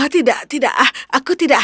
tidak tidak aku tidak